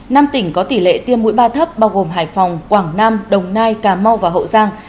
năm tỉnh có tỷ lệ tiêm mũi ba thấp bao gồm hải phòng quảng nam đồng nai cà mau và hậu giang